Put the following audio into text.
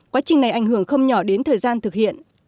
quá trình này ảnh hưởng không nhỏ đến thời gian thực hiện